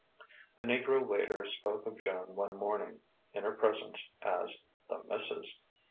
A negro waiter spoke of Joan one morning, in her presence, as "the Missus."